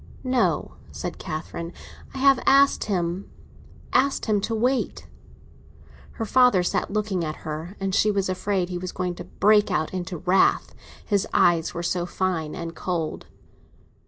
"No," said Catherine; "I have asked him—asked him to wait." Her father sat looking at her, and she was afraid he was going to break out into wrath; his eyes were so fine and cold.